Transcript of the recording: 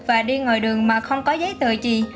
và đi ngoài đường mà không có giấy tờ gì